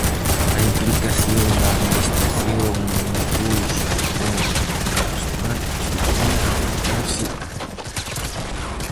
A implicación da administración no impulso aos novos mercados temáticos debería orientarse a: